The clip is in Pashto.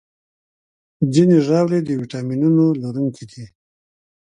ځینې ژاولې د ویټامینونو لرونکي دي.